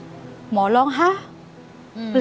อเรนนี่คือเหตุการณ์เริ่มต้นหลอนช่วงแรกแล้วมีอะไรอีก